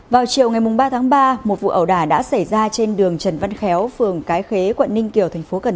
vào chiều ngày ba tháng ba một vụ ẩu đả đã xảy ra trên đường trần văn khéo phường cái khế quận ninh kiều tp cn